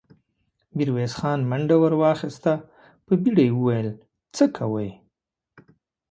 ميرويس خان منډه ور واخيسته، په بيړه يې وويل: څه کوئ!